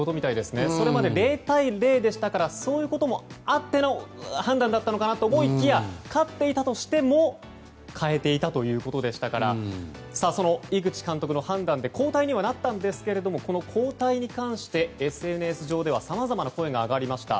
それまで０対０でしたからそういうこともあっての判断だったのかなと思いきや勝っていたとしても代えていたということでしたから井口監督の判断で交代にはなったんですが交代に関して、ＳＮＳ上ではさまざまな声が上がりました。